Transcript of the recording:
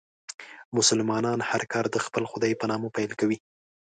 مسلمانان هر کار د خپل خدای په نامه پیل کوي.